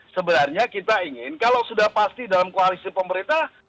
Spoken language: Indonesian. sebenarnya kita ingin kalau sudah pasti dalam koalisi pemerintah